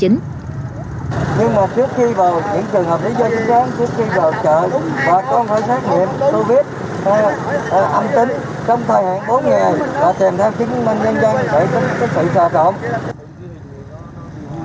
nhưng mà trước khi vào những trường hợp lý do chính xác trước khi vào chợ và có một hội xét nghiệm covid một mươi chín âm tính trong thời hạn bốn ngày là tìm theo chứng minh nhân dân để chống dịch covid một mươi chín